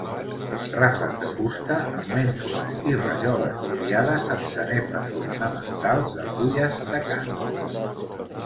Ràfec de fusta amb mènsules i rajoles vidriades amb sanefes ornamentals de fulles d'acant.